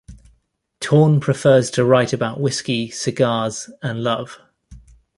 Torn prefers to write about whisky, cigars and love.